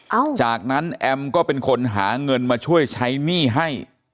หลังจากนั้นแอมก็เป็นคนหาเงินมาช่วยใช้หนี้ให้